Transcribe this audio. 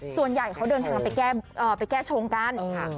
ส่วนใหญ่เขาเดินทางไปแก้ชงกันค่ะ